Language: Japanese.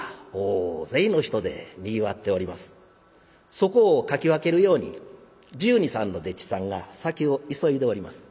そこをかき分けるように十二十三の丁稚さんが先を急いでおります。